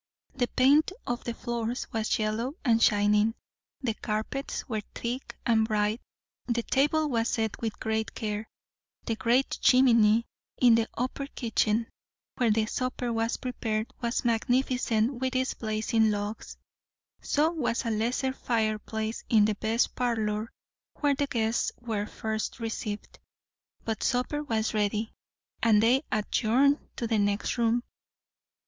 The paint of the floors was yellow and shining; the carpets were thick and bright; the table was set with great care; the great chimney in the upper kitchen where the supper was prepared, was magnificent with its blazing logs. So was a lesser fireplace in the best parlour, where the guests were first received; but supper was ready, and they adjourned to the next room.